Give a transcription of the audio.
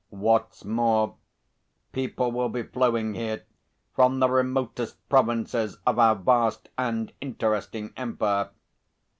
What's more, people will be flowing here from the remotest provinces of our vast and interesting empire.